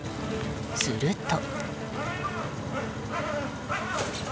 すると。